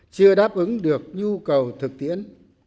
chưa đáp ứng được nhu cầu thực tiễn